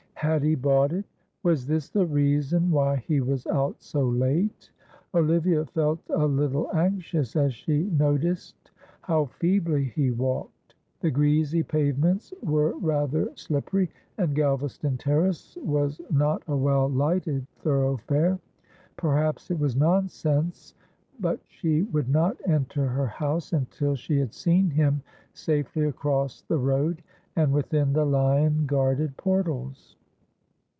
Had he bought it? Was this the reason why he was out so late? Olivia felt a little anxious as she noticed how feebly he walked; the greasy pavements were rather slippery, and Galvaston Terrace was not a well lighted thoroughfare. Perhaps it was nonsense, but she would not enter her house until she had seen him safely across the road, and within the lion guarded portals.